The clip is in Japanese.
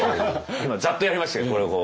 今ざっとやりましたけどこれをこう。